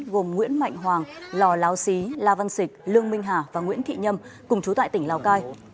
gồm nguyễn mạnh hoàng lò láo xí la văn xịch lương minh hà và nguyễn thị nhâm cùng chú tại tỉnh lào cai